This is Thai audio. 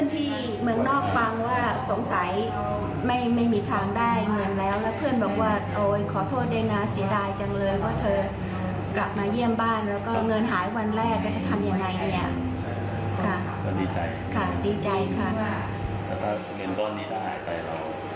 ถ้าเงินต้อนนี้ร้ายไปแล้วต้องใช้ไหม